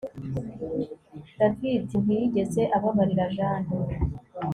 David ntiyigeze ababarira Jane